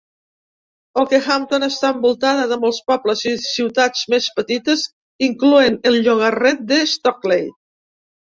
Okehampton està envoltada de molts pobles i ciutats més petites, incloent el llogarret de Stockley.